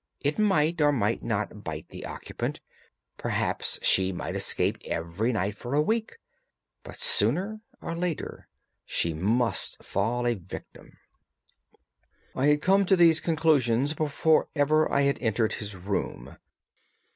It might or might not bite the occupant, perhaps she might escape every night for a week, but sooner or later she must fall a victim. "I had come to these conclusions before ever I had entered his room.